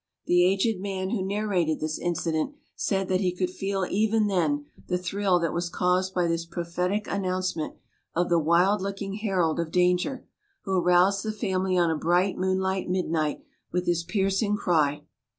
The aged man who narrated this incident said that he could feel even then the thrill that was caused by this prophetic announcement of the wild looking herald of danger, who aroused the family on a bright moon light midnight with his piercing cry.